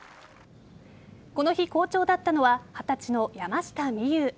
この日好調だったのは二十歳の山下美夢有。